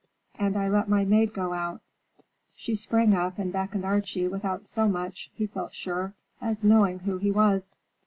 And I let my maid go out." She sprang up and beckoned Archie without so much, he felt sure, as knowing who he was.